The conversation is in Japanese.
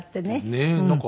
ねえ。